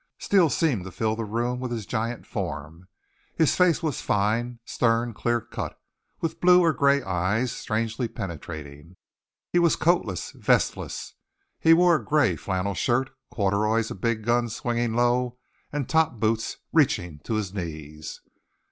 Steele seemed to fill the room with his giant form. His face was fine, stern, clear cut, with blue or gray eyes, strangely penetrating. He was coatless, vestless. He wore a gray flannel shirt, corduroys, a big gun swinging low, and top boots reaching to his knees.